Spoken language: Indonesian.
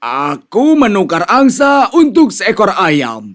aku menukar angsa untuk seekor ayam